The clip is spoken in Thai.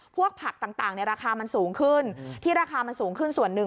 พวกผักต่างในราคามันสูงขึ้นที่ราคามันสูงขึ้นส่วนหนึ่ง